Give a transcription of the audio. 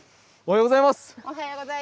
おはようございます。